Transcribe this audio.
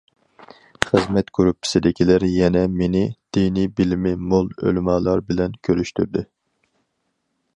خىزمەت گۇرۇپپىسىدىكىلەر يەنە مېنى دىنىي بىلىمى مول ئۆلىمالار بىلەن كۆرۈشتۈردى.